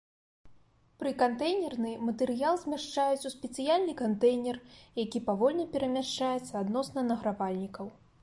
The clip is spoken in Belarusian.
Пры кантэйнернай матэрыял змяшчаюць у спецыяльны кантэйнер, які павольна перамяшчаецца адносна награвальнікаў.